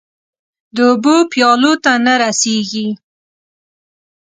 د اوبو پیالو ته نه رسيږې